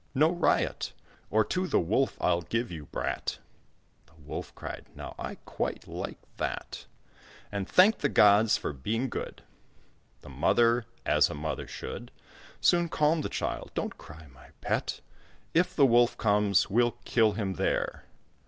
No riot; Or to the Wolf I'll give you, brat!" The Wolf cried, "Now, I quite like that;" And thanked the gods for being good. The Mother, as a mother should, Soon calmed the Child. "Don't cry, my pet! If the Wolf comes, we'll kill him, there!"